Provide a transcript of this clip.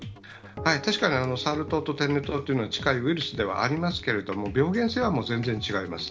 確かにサル痘と天然痘というのは、近いウイルスではありますけれども、びょうげんせいはぜんぜん違います。